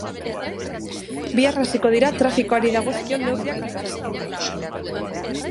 Bihar hasiko dira trafikoari dagozkion neurriak hartzen.